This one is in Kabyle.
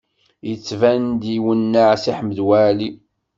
Yettban-d iwenneɛ Si Ḥmed Waɛli.